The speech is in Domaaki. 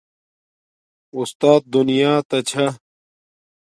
اُستات دنیا تا چھا